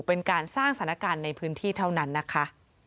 เป็นการสร้างสถานการณ์ในพื้นที่เท่านั้นนะคะ